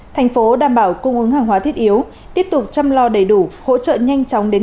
thành phố đảm bảo cung ứng hàng hóa thiết yếu tiếp tục chăm lo đầy đủ hỗ trợ nhanh chóng đến